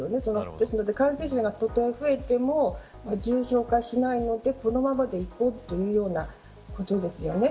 ですので感染者が増えても重症化しないのでこのままでいこうというようなことですよね。